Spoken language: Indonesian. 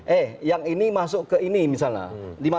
eh yang ini masuk ke ini misalnya